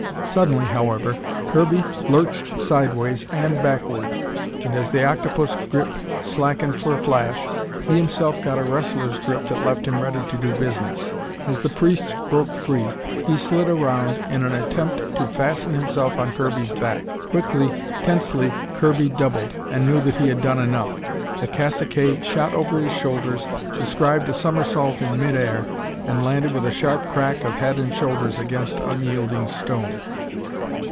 Suddenly, however, Kirby lurched sideways and backward, and as the octopus grip slackened for a flash, he himself got a wrestler's grip that left him ready to do business. As the priest broke free, he slid around in an attempt to fasten himself on Kirby's back. Quickly, tensely Kirby doubled, and knew that he had done enough. The cacique shot over his shoulders, described a somersault in midair, and landed with a sharp crack of head and shoulders against unyielding stone.